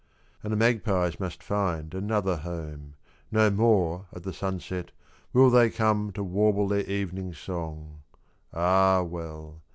And the magpies must find another home; No more, at the sunset, will they come To warble their evening song. Ah, well!